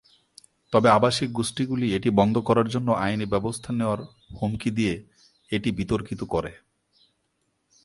তবে আবাসিক গোষ্ঠীগুলি এটি বন্ধ করার জন্য আইনী ব্যবস্থা নেওয়ার হুমকি দিয়ে এটি বিতর্কিত করে।